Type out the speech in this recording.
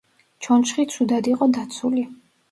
ჩონჩხი ცუდად იყო დაცული.